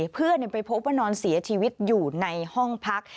เพื่อนไปพบว่านอนเสียชีวิตอยู่ในห้องพัก